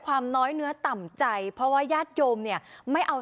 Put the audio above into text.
ความน้อยเนื้อต่ำใจเพราะว่าญาติโยมเนี่ยไม่เอา